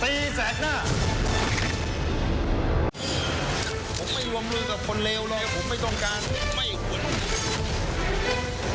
ผมไม่รวมรู้กับคนเลวเลยผมไม่ต้องการไม่ควร